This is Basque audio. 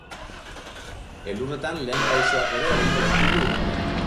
Elurretan lehen pausoak ere egingo ditugu igandean.